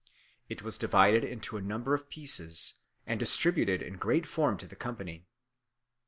It was divided into a number of pieces, and distributed in great form to the company.